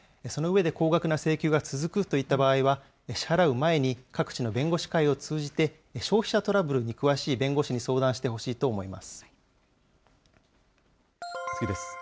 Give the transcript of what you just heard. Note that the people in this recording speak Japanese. その上で高額な請求が続くといった場合は、支払う前に各地の弁護士会を通じて、消費者トラブルに詳しい弁護士に相談してほし次です。